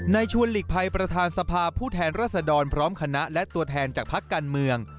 ชวนหลีกภัยประธานสภาผู้แทนรัศดรพร้อมคณะและตัวแทนจากพักการเมือง